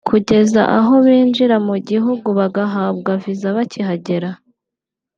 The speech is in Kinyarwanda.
kugeza aho binjira mu gihugu bagahabwa Visa bakihagera